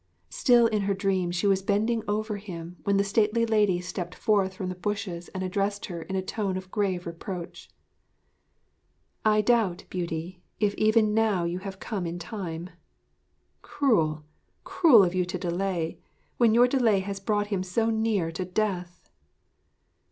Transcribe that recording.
Still in her dream she was bending over him when the stately lady stepped forth from the bushes and addressed her in a tone of grave reproach: 'I doubt, Beauty, if even now you have come in time. Cruel, cruel of you to delay! when your delay has brought him so near to death!'